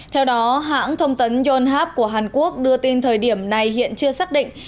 theo đó hãng thông tấn yonhap của hàn quốc đưa tin thời điểm này hiện chưa xác định